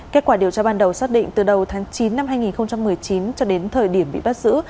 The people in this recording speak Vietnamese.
kết quả điều tra ban đầu xác định từ đầu tháng chín năm hai nghìn một mươi chín cho đến thời điểm bị bắt giữ